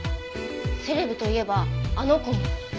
セレブと言えばあの子も。